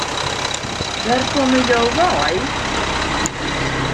Wêr komme jo wei?